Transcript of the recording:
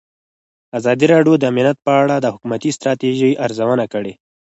ازادي راډیو د امنیت په اړه د حکومتي ستراتیژۍ ارزونه کړې.